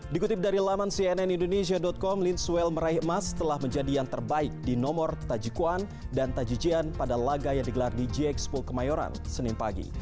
dikutip dari laman cnnindonesia com lin suel meraih emas telah menjadi yang terbaik di nomor tajikuan dan tajijian pada laga yang digelar di gxpo kemayoran senin pagi